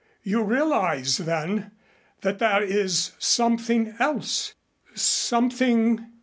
You realize, then, that there is something else something